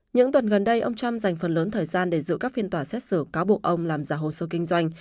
những tuần gần đây ông trump dành phần lớn thời gian để giữ các phiên tòa xét xử cáo buộc ông làm giả hồ sơ kinh doanh